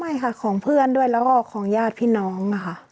ไม่ค่ะของเพื่อนด้วยแล้วก็ของญาติพี่น้องนะคะ